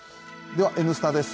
では「Ｎスタ」です。